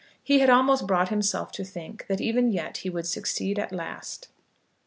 He had almost brought himself to think that even yet he would succeed at last.